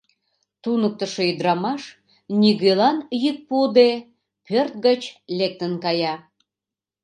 Туныктышо ӱдырамаш, нигӧлан йӱк пуыде, пӧрт гыч лектын кая...